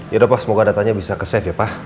yaudah pak semoga datanya bisa ke safe ya pak